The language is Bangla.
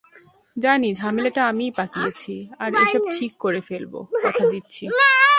জানি, ঝামেলাটা আমিই পাকিয়েছি, আর এসব ঠিক করে ফেলবো, কথা দিচ্ছি।